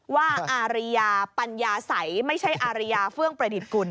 อาริยาปัญญาสัยไม่ใช่อาริยาเฟื่องประดิษฐ์กุล